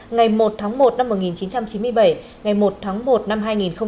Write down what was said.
ngày một tháng một năm một nghìn chín trăm chín mươi bảy ngày một tháng một năm hai nghìn hai mươi